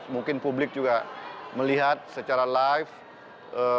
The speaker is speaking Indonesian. mungkin publik juga melihat secara live